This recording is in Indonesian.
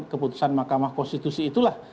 keputusan mk itulah